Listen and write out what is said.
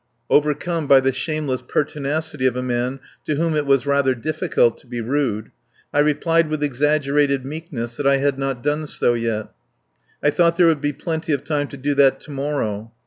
Overcome by the shameless pertinacity of a man to whom it was rather difficult to be rude, I replied with exaggerated meekness that I had not done so yet. I thought there would be plenty of time to do that to morrow.